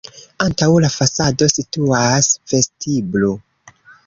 Antaŭ la fasado situas vestiblo.